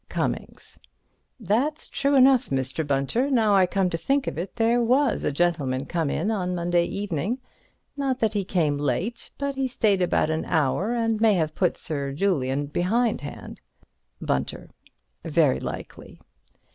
Cummings: That's true enough, Mr. Bunter. Now I come to think of it, there was a gentleman come in on Monday evening. Not that he came late, but he stayed about an hour, and may have put Sir Julian behindhand. Bunter: Very likely.